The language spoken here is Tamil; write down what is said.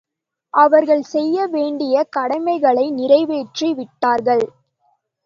அவர்கள் செய்ய வேண்டிய கடமைகளை நிறைவேற்றி விட்டார்கள்.